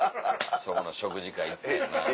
そこの食事会行ったんやなぁ。